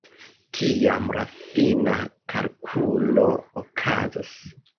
Tiam la fina kalkulo okazas.